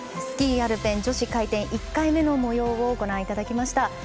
スキー・アルペン女子回転１回目のもようをご覧いただきました。